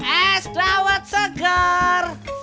es dawat segar